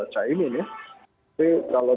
cahimin ya tapi kalau